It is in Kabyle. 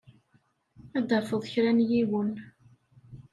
Ad tafeḍ kra n yiwen.